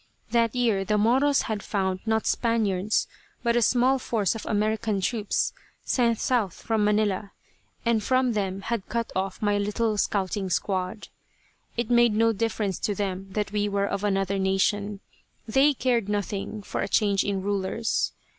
That year the Moros had found not Spaniards but a small force of American troops, sent south from Manila, and from them had cut off my little scouting squad. It made no difference to them that we were of another nation. They cared nothing for a change in rulers.